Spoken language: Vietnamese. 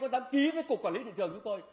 có dám ký với cục quản lý thị trường